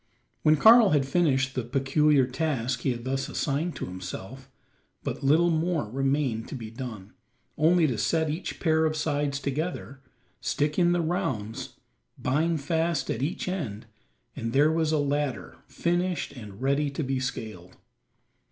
When Karl had finished the peculiar task he had thus assigned to himself, but little more remained to be done only to set each pair of sides together, stick in the rounds, bind fast at each end, and there was a ladder finished and ready to be scaled.